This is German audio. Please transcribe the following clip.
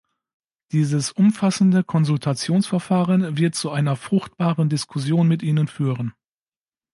Dieses umfassende Konsultationsverfahren wird zu einer fruchtbaren Diskussion mit Ihnen führen.